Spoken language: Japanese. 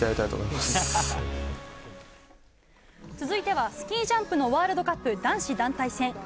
続いては、スキージャンプのワールドカップ男子団体戦。